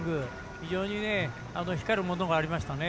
非常に光るものがありましたね。